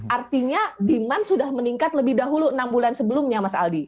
artinya demand sudah meningkat lebih dahulu enam bulan sebelumnya mas aldi